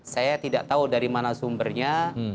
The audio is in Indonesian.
saya tidak tahu dari mana sumbernya